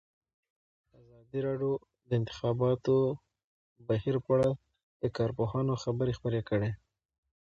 ازادي راډیو د د انتخاباتو بهیر په اړه د کارپوهانو خبرې خپرې کړي.